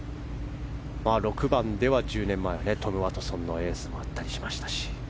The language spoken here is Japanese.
６番では、１０年前トム・ワトソンのエースがあったりしましたし。